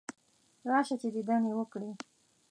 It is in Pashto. راشه چې دیدن یې وکړې.